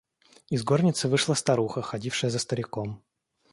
Из горницы вышла старуха, ходившая за стариком.